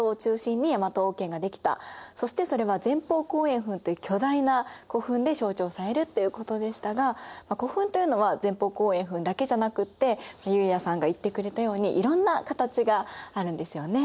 そしてそれは前方後円墳という巨大な古墳で象徴されるということでしたが古墳というのは前方後円墳だけじゃなくって悠也さんが言ってくれたようにいろんな形があるんですよね。